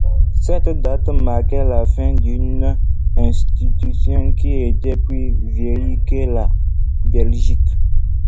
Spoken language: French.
Cette date marquait la fin d’une institution qui était plus vieille que la Belgique.